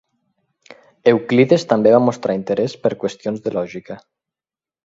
Euclides també va mostrar interès per qüestions de lògica.